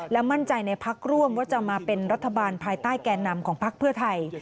และมั่นใจในพักร่วมว่าจะมาเป็นรัฐบาลภายใต้แก่นำของพักเพื่อไทย